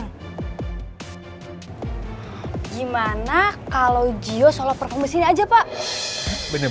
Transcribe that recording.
gimana kalau gio solo performance ini aja pak